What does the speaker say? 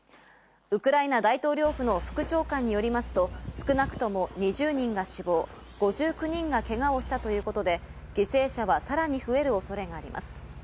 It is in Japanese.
ウクライナ大統領府の副長官によりますと、少なくとも２０人が死亡、５９人がけがをしたということで、犠牲者はさらに増える恐れがあります。